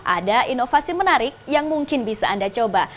ada inovasi menarik yang mungkin bisa anda coba